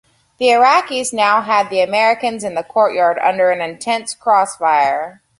The Iraqis now had the Americans in the courtyard under an intense crossfire.